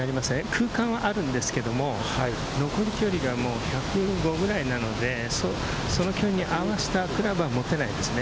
空間はあるんですけれども、残り距離が１０５ぐらいなので、その距離に合わせたクラブは持てないですね。